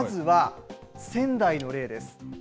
まずは、仙台の例です。